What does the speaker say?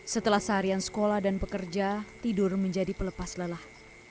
setelah seharian sekolah dan pekerja tidur menjadi pelepas lelah